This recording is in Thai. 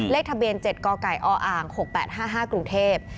เลขทะเบียน๗กไก่ออ๖๘๕๕กรุงเทพฯ